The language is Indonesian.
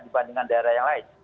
dibandingkan daerah yang lain